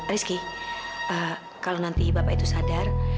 rizky kalau nanti bapak itu sadar